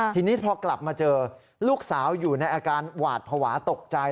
ทีนี้พอกลับมาเจอลูกสาวอยู่ในอาการหวาดภาวะตกใจ